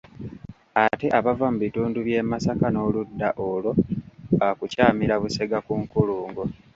Ate abava mu bitundu by'e Masaka n'oludda olwo baakukyamira Busega ku nkulungo